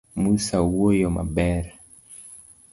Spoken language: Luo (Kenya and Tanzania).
Musa woyo maber .